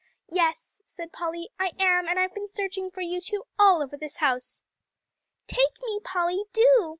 "Yes," said Polly, "I am, and I've been searching for you two all over this house." "Take me, Polly, do."